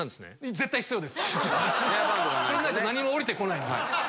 これがないと何も降りてこないので。